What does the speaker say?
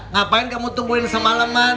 ngapain kamu tungguin semaleman